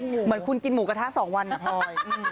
เหมือนคุณกินหมูกระทะ๒วันนะพลอย